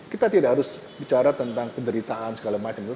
kita tidak harus bicara tentang penderitaan segala macam itu